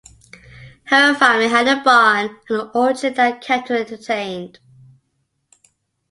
Her family had a barn and orchard that kept her entertained.